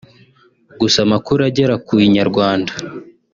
gusa amakuru agera ku Inyarwanda